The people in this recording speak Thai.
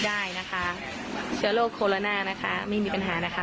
ได้นะคะเชื้อโรคโคโรนานะคะไม่มีปัญหานะคะ